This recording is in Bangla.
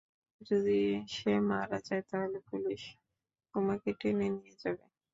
যদি সে মারা যায়, তাহলে পুলিশ তোমাকে টেনে নিয়ে যাবে।